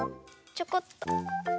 ちょこっと。